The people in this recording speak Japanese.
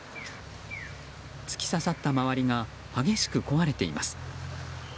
突き刺さった周りが激しく壊れています。